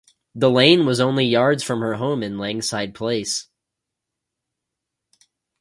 The lane was only yards from her home in Langside Place.